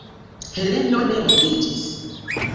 Heleno ne moviĝis.